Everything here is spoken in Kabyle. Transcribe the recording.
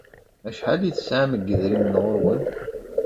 Acḥal i tesɛam n yedrimen ɣur-wen?